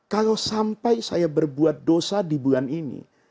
kalau sampai saya berbuat dosa di bulan ini